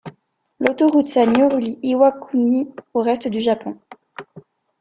L'autoroute Sanyo relie Iwakuni au reste du Japon.